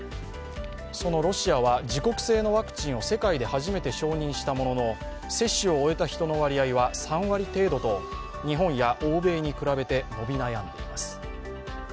そのロシアは自国製のワクチンを世界で初めて承認したものの接種を終えた人の割合は３割程度と日本や欧米に比べて伸び悩んでいます。